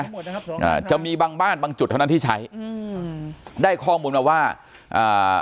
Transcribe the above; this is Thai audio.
อ่าจะมีบางบ้านบางจุดเท่านั้นที่ใช้อืมได้ข้อมูลมาว่าอ่า